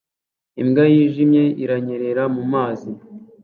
Imbwa yijimye iranyerera mu mazi